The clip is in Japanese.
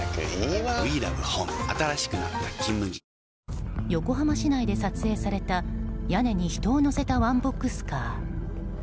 あぁ横浜市内で撮影された屋根に人を乗せたワンボックスカー。